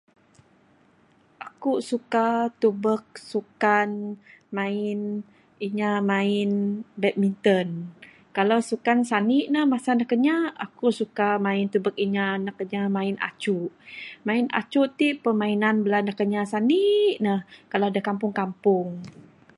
Aku suka tubek sukan main inya main badminton, kalau sukan sanik ne main sukan anakinya aku suka main tubek inya anak inya main acuk. Main acuk ti permainan bala anakinya sanik ne da kampung kampung.